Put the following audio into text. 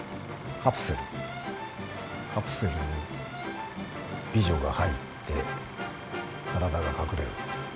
カプセルに美女が入って体が隠れる。